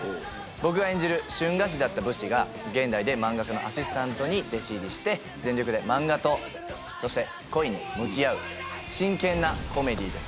僕が演じる春画師だった武士が現代で漫画家のアシスタントに弟子入りして全力で漫画とそして恋に向き合う真剣なコメディーです